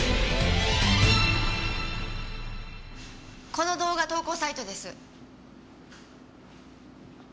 この動画投稿サイトです。